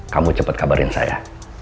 kamu cepat kabarin saya